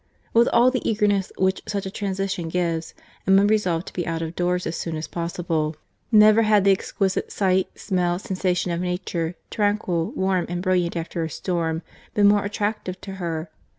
With all the eagerness which such a transition gives, Emma resolved to be out of doors as soon as possible. Never had the exquisite sight, smell, sensation of nature, tranquil, warm, and brilliant after a storm, been more attractive to her.